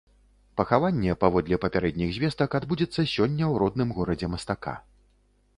Пахаванне, паводле папярэдніх звестак, адбудзецца сёння ў родным горадзе мастака.